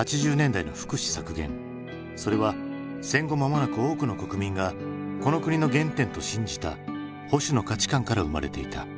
それは戦後間もなく多くの国民がこの国の原点と信じた保守の価値観から生まれていた。